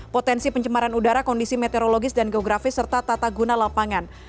potensi pencemaran udara kondisi meteorologis dan geografis serta tata guna lapangan